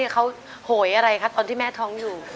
เขาโหยอะไรคะตอนที่แม่ท้องอยู่